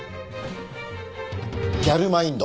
ギャルマインド！